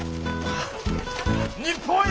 日本一！